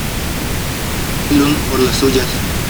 Lund por las suyas.